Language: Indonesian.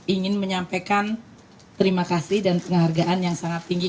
ingin menyampaikan terima kasih dan penghargaan yang sangat tinggi